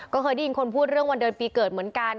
ก็เคยได้ยินคนพูดเรื่องวันเดือนปีเกิดเหมือนกัน